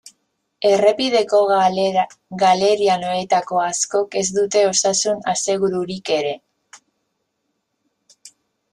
Errepideko galerianoetako askok ez dute osasun asegururik ere.